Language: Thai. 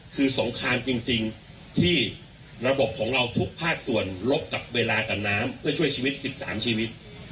คือสงครามจริงที่ระบบของเราทุกภาคส่วนลบกับเวลากับน้ำเพื่อช่วยชีวิต๑๓ชีวิต